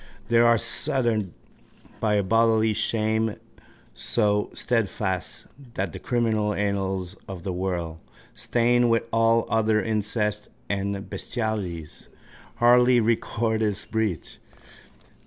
—They are sundered by a bodily shame so steadfast that the criminal annals of the world, stained with all other incests and bestialities, hardly record its breach.